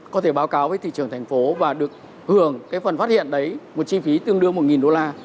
có thể báo cáo với thị trường thành phố và được hưởng cái phần phát hiện đấy một chi phí tương đương một đô la